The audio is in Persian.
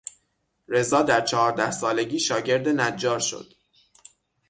رضا در چهارده سالگی شاگرد نجار شد.